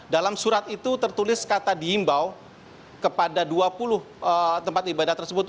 dalam surat itu tertulis kata diimbau kepada dua puluh tempat ibadah tersebut